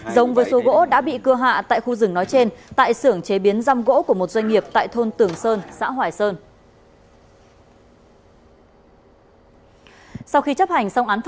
giống với số gỗ đã bị cưa hạ tại khu rừng nói trên tại xưởng chế biến răm gỗ của một doanh nghiệp tại thôn tưởng sơn xã hoài sơn